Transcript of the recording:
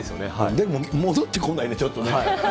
でも戻ってこないね、ちょっとね。